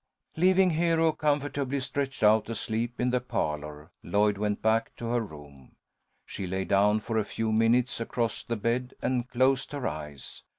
Leaving Hero comfortably stretched out asleep in the parlour, Lloyd went back to her room. She lay down for a few minutes across the bed and closed her eyes.